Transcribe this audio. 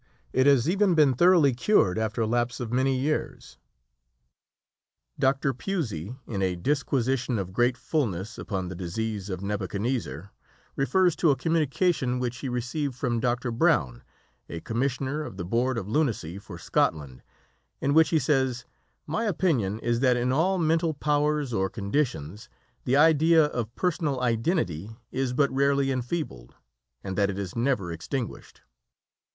It has even been thoroughly cured after a lapse of many years. Dr. Pusey (Notes on Daniel, p. 425), in a disquisition of great fulness upon the disease of Nebuchadnezzar, refers to a communication which he received from Dr. Browne, a Commissioner of the Board of Lunacy for Scotland, in which he says, "My opinion is that in all mental powers or conditions the idea of personal identity is but rarely enfeebled, and that it is never extinguished.